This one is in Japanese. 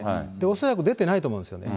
恐らく出てないと思うんですよね。